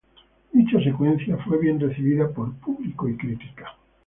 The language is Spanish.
Dicha secuencia fue bien recibida por público y crítica.